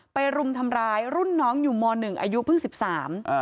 รุมทำร้ายรุ่นน้องอยู่มหนึ่งอายุเพิ่งสิบสามอ่า